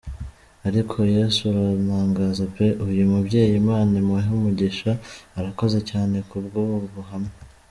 Ariko Yesu urantangaza pe! uyu mubyeyi Imana imuhe umugisha ! arakoze cyane kubwubu buhamya.